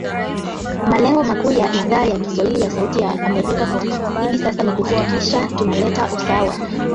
Malengo makuu ya Idhaa ya kiswahili ya Sauti ya Amerika kwa hivi sasa ni kuhakikisha tuna leta usawa